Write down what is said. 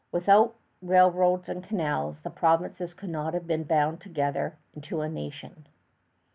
Without the railroads and canals, the provinces could not have been bound together into a nation.